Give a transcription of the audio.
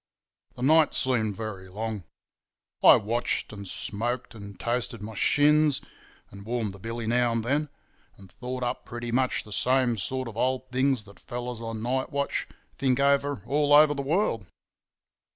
"The night seemed very long. I watched and smoked and toasted my shins, and warmed the billy now and then, and thought up pretty much the same sort of old things that fellers on night watch think over all over the world.